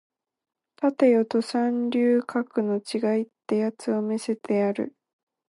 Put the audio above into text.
立てよド三流格の違いってやつを見せてやる